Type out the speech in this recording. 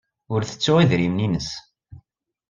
Ur tettu idrimen-nnes.